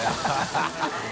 ハハハ